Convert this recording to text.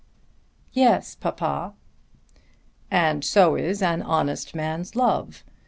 "Yes, papa." "And so is an honest man's love.